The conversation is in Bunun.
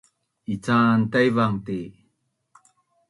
Ican Taivan ti